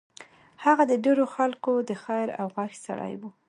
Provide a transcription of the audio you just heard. هغه د ډېرو خلکو د خېر او غږ سړی و.